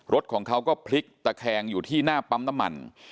รถของเขาก็พลิกตะแคงอยู่ที่หน้าปั๊มน้ำมัน